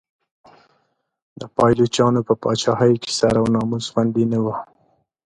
د پایلوچانو په پاچاهۍ کې سر او ناموس خوندي نه و.